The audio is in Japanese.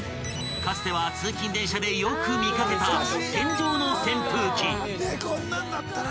［かつては通勤電車でよく見掛けた天井の扇風機］